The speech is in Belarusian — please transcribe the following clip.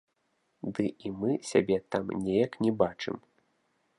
Ды і мы сябе там неяк не бачым.